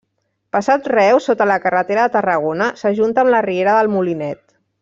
Passat Reus, sota la carretera de Tarragona, s'ajunta amb la Riera del Molinet.